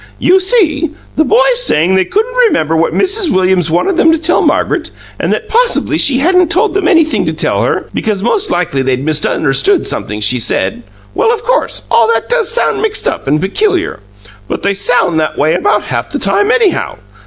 "You see, the boys saying they couldn't remember what Mrs. Williams wanted them to tell Margaret, and that probably she hadn't told them anything to tell her, because most likely they'd misunderstood something she said well, of course, all that does sound mixed up and peculiar; but they sound that way about half the time, anyhow.